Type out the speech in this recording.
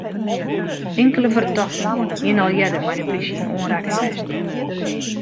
Inkelde fertochten hiene al earder mei de plysje yn oanrekking west.